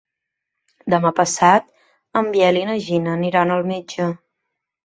Demà passat en Biel i na Gina aniran al metge.